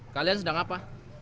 kalian sedang apa